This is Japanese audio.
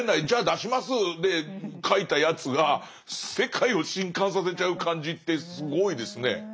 じゃあ出しますで書いたやつが世界を震撼させちゃう感じってすごいですね。